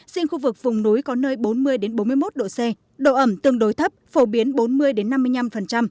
riêng khu vực vùng núi có nơi bốn mươi bốn mươi một độ c độ ẩm tương đối thấp phổ biến bốn mươi năm mươi năm